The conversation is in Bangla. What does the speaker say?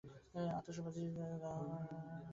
আতসবাজির মতো যত দাহন ততই উদ্দাম গতি লাভ করিয়াছি।